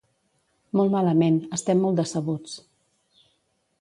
Molt malament, estem molt decebuts.